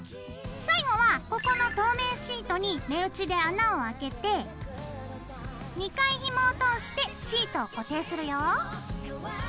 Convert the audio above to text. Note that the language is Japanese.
最後はここの透明シートに目打ちで穴をあけて２回ひもを通してシートを固定するよ。